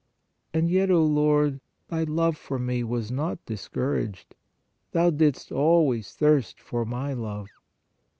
And yet, O Lord, Thy love for me JESUS SUFFERING 177 was not discouraged; Thou didst always thirst for my love.